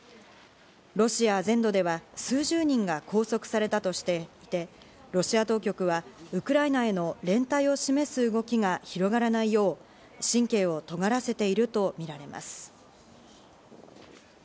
ロシア全土では数十人が拘束されたとしていて、ロシア当局は、ウクライナへの連帯を示す動きが広がらないよう神経を尖らせているとみられます。